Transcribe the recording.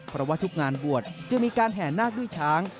เพราะว่าทุกงานบวชจะมีการแห่นาคด้วยช้าง